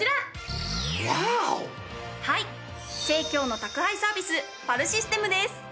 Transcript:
はい生協の宅配サービス「パルシステム」です。